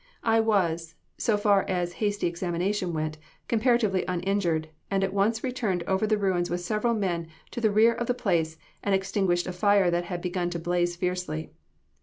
I was, so far as hasty examination went, comparatively uninjured, and at once returned over the ruins with several men to the rear of the place and extinguished a fire that had begun to blaze fiercely.